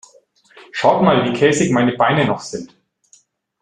Schaut mal, wie käsig meine Beine noch sind.